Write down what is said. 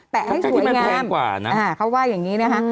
แปะให้สวยงามเขาว่าอย่างนี้นะคะ